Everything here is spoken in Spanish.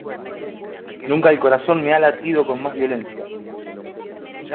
nunca el corazón me ha latido con más violencia.